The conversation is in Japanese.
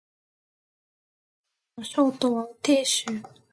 河南省の省都は鄭州